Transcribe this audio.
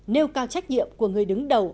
nêu cao trách nhiệm của người đứng đầu